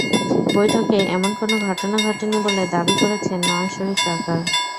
বৈঠকে এমন কোনো ঘটনা ঘটেনি বলে দাবি করেছেন নওয়াজ শরিফ সরকার।